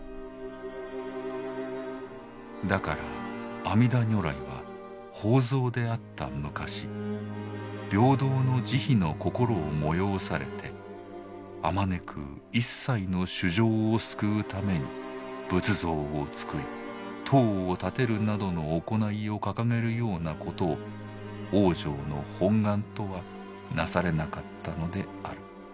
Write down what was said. だから阿弥陀如来は法蔵であった昔平等の慈悲の心を催されてあまねく一切の衆生を救うために仏像を作り塔を建てるなどの行いを掲げるようなことを往生の本願とはなされなかったのである。